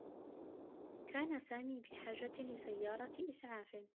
كان سامي بحاجة لسيّارة إسعاف.